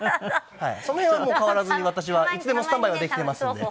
その辺は変わらずに私はいつでもスタンバイはできていますので。